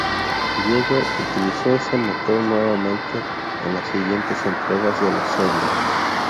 BioWare utilizó este motor nuevamente en las siguientes entregas de la serie.